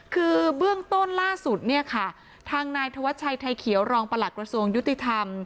คือเบื้องต้นล่าสุดเนี่ยค่ะทางนายธวัชชัยไทยเขียวรองประหลักกระทรวงยุติธรรม